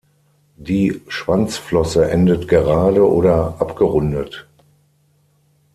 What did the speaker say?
Die Schwanzflosse endet gerade oder abgerundet.